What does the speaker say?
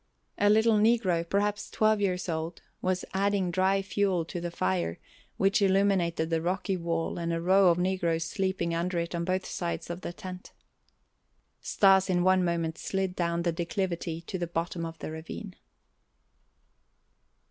A little negro, perhaps twelve years old, was adding dry fuel to the fire which illumined the rocky wall and a row of negroes sleeping under it on both sides of the tent. Stas in one moment slid down the declivity to the bottom of the ravine.